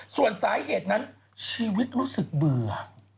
ส่วนสาเหตุนั้นชีวิตรู้สึกเบื่อ